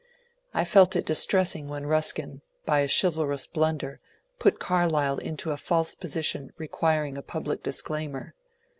I felt it distressing when Ruskin, by a chivalrous blunder, put Carlyle into a false position requiring a public disclaimer.